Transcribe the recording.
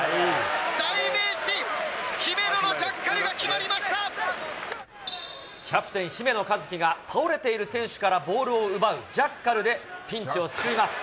代名詞、姫野のジャッカルが決まキャプテン、姫野和樹が倒れている選手からボールを奪うジャッカルでピンチを救います。